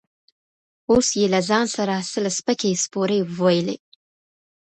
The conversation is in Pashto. اوس يې له ځان سره سل سپکې سپورې وويلې.